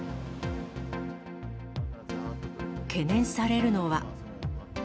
懸念されるのは。